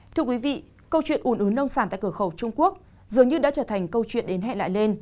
thưa quý vị câu chuyện ủn ứ nông sản tại cửa khẩu trung quốc dường như đã trở thành câu chuyện đến hẹn lại lên